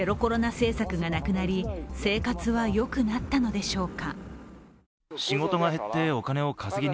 政策がなくなり生活はよくなったのでしょうか。